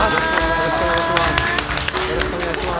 よろしくお願いします。